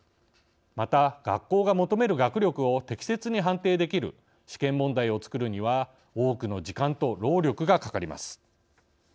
また学校が求める学力を適切に判定できる試験問題を作るには多くの時間と労力がかかります。